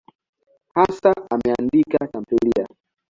Hasa ameandika tamthiliya.